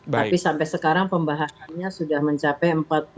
tapi sampai sekarang pembahasannya sudah mencapai empat puluh lima